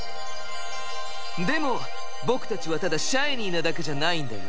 でも僕たちはただシャイニーなだけじゃないんだよ。